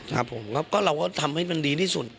ครับผมครับก็เราก็ทำให้มันดีที่สุด